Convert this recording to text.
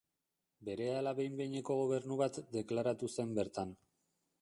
Berehala behin-behineko gobernu bat deklaratu zen bertan.